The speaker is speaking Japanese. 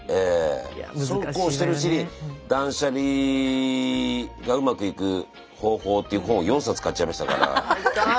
そうこうしてるうちに断捨離がうまくいく方法っていう本を４冊買っちゃいましたから。